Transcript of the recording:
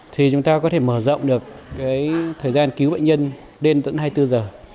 thì chúng ta có thể mở rộng được thời gian cứu bệnh nhân đến tận hai mươi bốn giờ